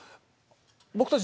僕たち